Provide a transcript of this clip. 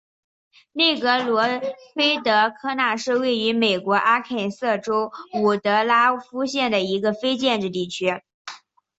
内格罗黑德科纳是位于美国阿肯色州伍德拉夫县的一个非建制地区。